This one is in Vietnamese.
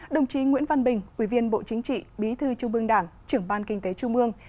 đồng chí nguyễn văn bình quy viên bộ chính trị bí thư trung mương đảng trưởng ban kinh tế trung mương